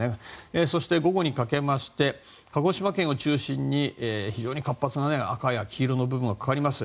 そして、午後にかけて鹿児島県を中心に非常に活発な赤や黄色の部分がかかります。